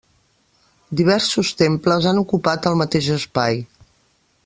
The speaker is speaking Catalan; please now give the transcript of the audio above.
Diversos temples han ocupat el mateix espai.